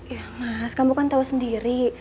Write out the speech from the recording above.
ya mas kamu kan tahu sendiri